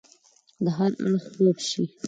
د هر اړخ خوب شي